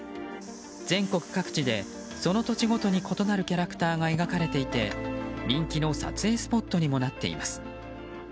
全国各地でその土地ごとに異なるキャラクターが描かれていて、人気の撮影スポットにもなっています。